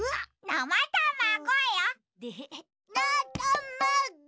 なたまご。